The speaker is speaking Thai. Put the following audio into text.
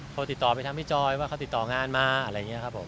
โทรติดต่อไปทางพี่จอยว่าเขาติดต่องานมาอะไรอย่างนี้ครับผม